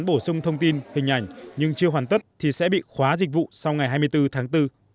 bổ sung thông tin hình ảnh nhưng chưa hoàn tất thì sẽ bị khóa dịch vụ sau ngày hai mươi bốn tháng bốn